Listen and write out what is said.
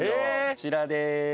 こちらでーす！